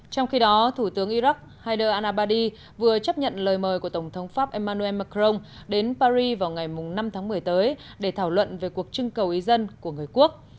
trong khi đó thủ tướng iraq haider al a badi vừa chấp nhận lời mời của tổng thống pháp emmanuel macron đến paris vào ngày năm tháng một mươi tới để thảo luận về cuộc trưng cầu ý dân của người quốc